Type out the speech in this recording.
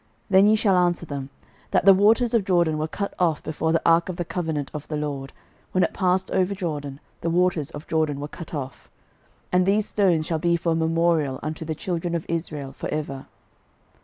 06:004:007 Then ye shall answer them, That the waters of Jordan were cut off before the ark of the covenant of the LORD; when it passed over Jordan, the waters of Jordan were cut off: and these stones shall be for a memorial unto the children of Israel for ever.